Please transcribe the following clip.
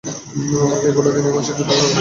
আপনি বলে দিন, এ মাসে যুদ্ধ করা ভীষণ পাপ।